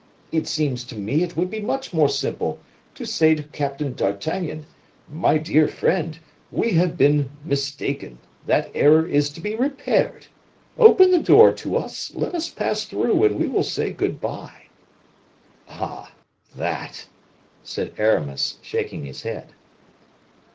It seems to me it would be much more simple to say to Captain d'Artagnan: 'My dear friend, we have been mistaken; that error is to be repaired; open the door to us, let us pass through, and we will say good bye.'" "Ah! that!" said Aramis, shaking his head.